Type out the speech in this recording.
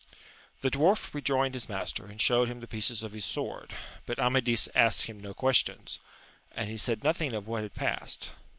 The dwarf rejoined his master, and showed him the pieces of his sword, but Amadis asked him no questions, and he said nothing of what had passed.